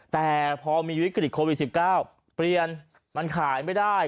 แต่พอมีวิกฤตโควิด๑๙เปลี่ยนมันขายไม่ได้